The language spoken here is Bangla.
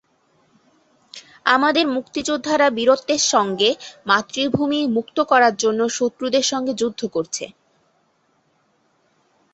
তিনি একজন আড়ম্বরপূর্ণ ব্যাটসম্যান।